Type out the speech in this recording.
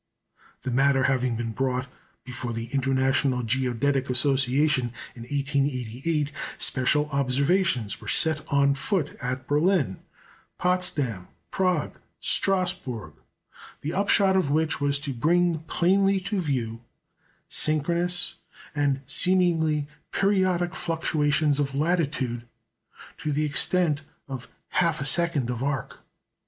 The matter having been brought before the International Geodetic Association in 1888, special observations were set on foot at Berlin, Potsdam, Prague, and Strasbourg, the upshot of which was to bring plainly to view synchronous, and seemingly periodic fluctuations of latitude to the extent of half a second of arc.